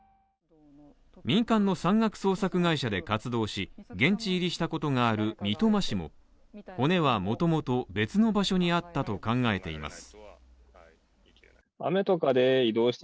民間の山岳捜索会社で活動し現地入りしたことがある三苫氏も骨はもともと別の場所にあったと考えています。